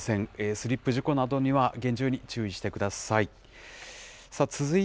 スリップ事故などには厳重に注意してください。